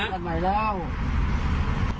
ไม่หรือขั้นใหม่เดี๋ยวไหน